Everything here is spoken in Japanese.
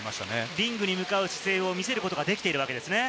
リングに向かう姿勢ができているわけですね。